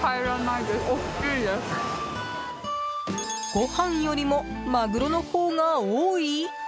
ご飯よりもマグロのほうが多い？